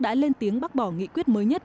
đã lên tiếng bác bỏ nghị quyết mới nhất